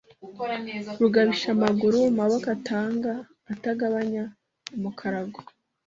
Rugabishamaguru Maboko atanga atagabanya umukarago